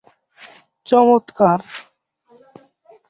এছাড়া তিনি এমটিভি তেও একটি সাক্ষাৎকার দেন এই ব্যাপারে।